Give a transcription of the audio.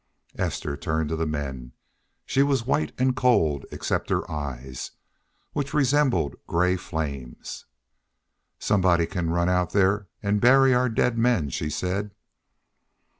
Esther turned to the men. She was white and cold, except her eyes, which resembled gray flames. "Somebody can run out there an' bury our dead men," she said.